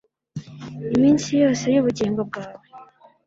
iminsi yose y’ubugingo bwawe